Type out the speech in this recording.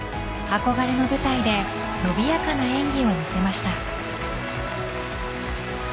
憧れの舞台で伸びやかな演技を見せました。